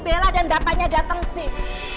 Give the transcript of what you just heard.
bella dan papanya dateng sih